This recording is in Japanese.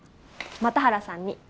又原さんに。